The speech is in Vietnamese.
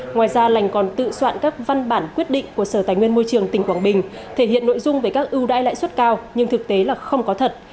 ngoài ra lành còn tự soạn các văn bản quyết định của sở tài nguyên môi trường tỉnh quảng bình thể hiện nội dung về các ưu đãi lãi suất cao nhưng thực tế là không có thật